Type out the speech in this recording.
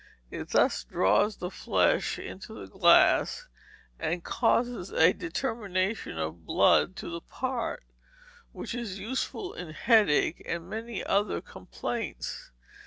It thus draws the flesh into the glass, and causes a determination of blood to the part, which is useful in headache, and many other complaints.